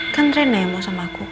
kan reina yang mau sama aku